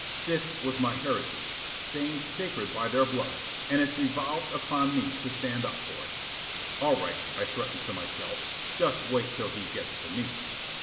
This was my heritage, stained sacred by their blood, and it devolved upon me to stand up for it. All right, I threatened to myself; just wait till he gets to me.